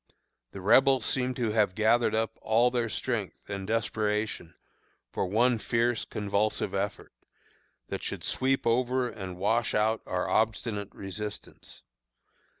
The Rebels seemed to have gathered up all their strength and desperation for one fierce, convulsive effort, that should sweep over and wash out our obstinate resistance.